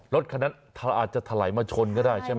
รถคันนั้นอาจจะถลายมาชนก็ได้ใช่ไหม